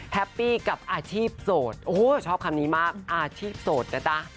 ปี้กับอาชีพโสดโอ้โหชอบคำนี้มากอาชีพโสดนะจ๊ะ